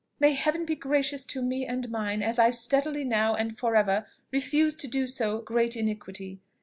"May Heaven be gracious to me and mine, as I steadily now, and for ever, refuse to do so great iniquity!